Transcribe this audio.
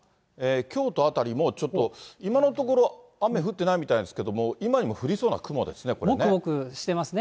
京都辺りもちょっと、今のところ雨降ってないみたいですけど、もくもくしてますね。